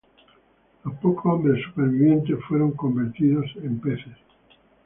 Los pocos hombres sobrevivientes fueron convertidos en Peces.